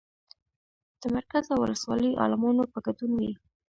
د مرکز او ولسوالۍ عالمانو په ګډون وي.